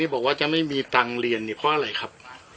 บอกว่าจะไม่มีตังค์เรียนเนี่ยเพราะอะไรครับ